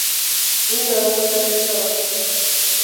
Ndɔ hm a nə naa.